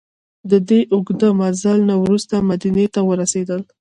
له دې اوږده مزل نه وروسته مدینې ته ورسېدل.